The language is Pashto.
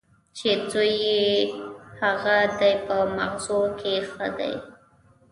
چې زوی یې هغه دی په مغزو کې ښه دی.